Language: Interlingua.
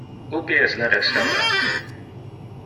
Ubi es le restaurante?